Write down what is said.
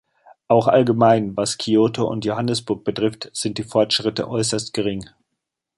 Auch allgemein, was Kyoto und Johannesburg betrifft, sind die Fortschritte äußerst gering.